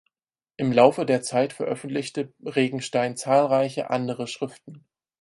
Im Laufe der Zeit veröffentlichte Regenstein zahlreiche andere Schriften.